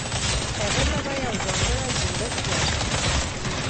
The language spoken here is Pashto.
هغه ته به يو ځانګړی جوړښت ورکړي.